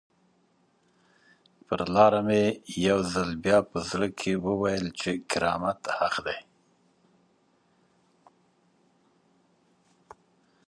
پر لاره مې یو ځل بیا په زړه کې وویل چې کرامت حق دی.